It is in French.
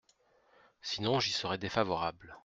Sinon j’y serai défavorable.